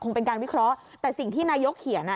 เป็นการวิเคราะห์แต่สิ่งที่นายกเขียน